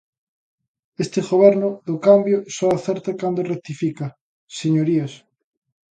Este goberno do cambio só acerta cando rectifica, señorías.